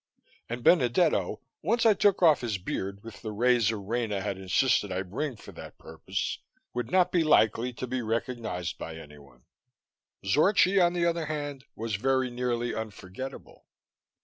And Benedetto, once I took off his beard with the razor Rena had insisted I bring for that purpose, would not be likely to be recognized by anyone. Zorchi, on the other hand, was very nearly unforgettable.